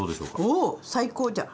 おお最高じゃん。